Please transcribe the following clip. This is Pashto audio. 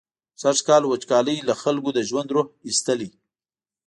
خو سږکال وچکالۍ له خلکو د ژوند روح ویستلی.